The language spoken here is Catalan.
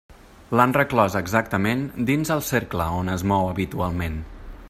L'han reclòs exactament dins el cercle on es mou habitualment.